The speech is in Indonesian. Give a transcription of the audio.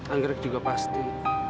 anggrek juga pasti